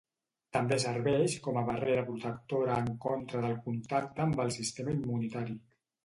També serveix com a barrera protectora en contra del contacte amb el sistema immunitari.